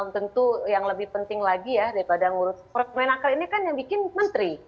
tentu yang lebih penting lagi ya daripada ngurus permenaker ini kan yang bikin menteri